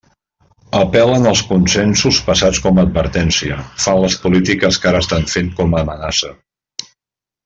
Apel·len als consensos passats com a advertència, fan les polítiques que ara estan fent com a amenaça.